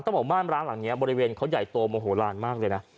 บอกม่านร้านหลังนี้บริเวณเขาใหญ่โตโมโหลานมากเลยนะ